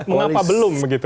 mengapa belum begitu